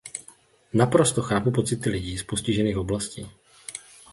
Naprosto chápu pocity lidí z postižených oblastí.